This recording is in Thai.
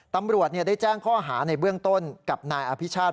ตำรวจได้แจ้งข้อหาในเบื้องต้นกับนายอภิชาติ